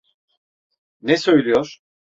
Ne söylüyor?